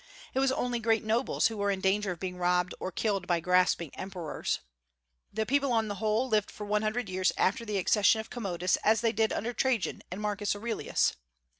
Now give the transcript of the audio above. It was only great nobles who were in danger of being robbed or killed by grasping emperors. The people, on the whole, lived for one hundred years after the accession of Commodus as they did under Trajan and Marcus Aurelius.